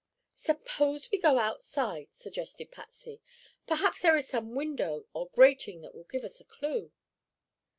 "Suppose we go outside," said Patsy. "Perhaps there is some window, or grating, that will give us a clue."